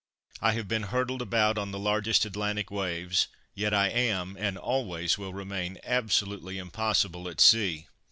I have been hurtled about on the largest Atlantic waves; yet I am, and always will remain, absolutely impossible at sea.